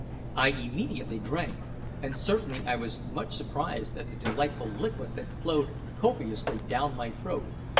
I immediately drank, and certainly I was much surprised at the delightful liquid that flowed copiously down my throat.